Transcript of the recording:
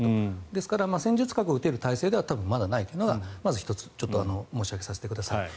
ですから戦術核を撃てる態勢ではまだないというのがまず１つ申し上げさせてください。